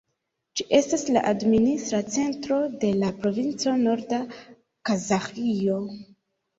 Ĝi estas la administra centro de la provinco Norda Kazaĥio.